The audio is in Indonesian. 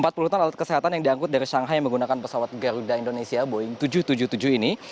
empat puluh ton alat kesehatan yang diangkut dari shanghai menggunakan pesawat garuda indonesia boeing tujuh ratus tujuh puluh tujuh ini